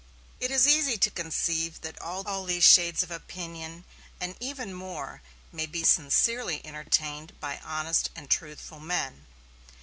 It is easy to conceive that all these shades of opinion, and even more, may be sincerely entertained by honest and truthful men.